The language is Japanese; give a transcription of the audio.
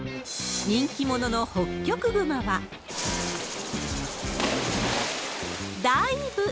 人気者のホッキョクグマは、ダイブ。